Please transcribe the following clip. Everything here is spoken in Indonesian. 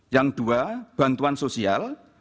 yang dua bantuan sosial